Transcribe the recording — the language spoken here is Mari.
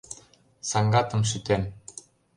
Саҥгатым шӱтем!